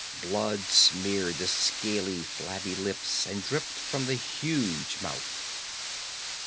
Blood smeared the scaly, flabby lips and dripped from the huge mouth.